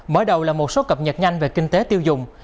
mở đầu là một số cập nhật nhanh về kinh tế phương nam